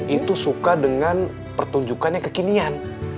itu suka dengan pertunjukannya kekinian